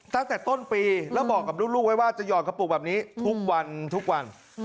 ตั้งแต่ต้นปีแล้วบอกกับลูกไว้ว่าจะหอดกระปุกแบบนี้ทุกวันทุกวัน